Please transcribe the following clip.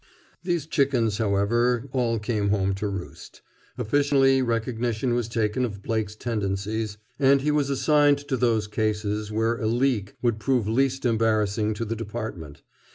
These chickens, however, all came home to roost. Official recognition was taken of Blake's tendencies, and he was assigned to those cases where a "leak" would prove least embarrassing to the Department.